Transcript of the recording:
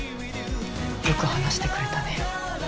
よく話してくれたね。